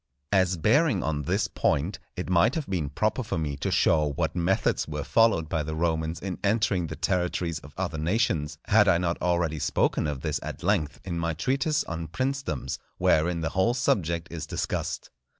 As bearing on this point, it might have been proper for me to show what methods were followed by the Romans in entering the territories of other nations, had I not already spoken of this at length in my Treatise on Princedoms, wherein the whole subject is discussed.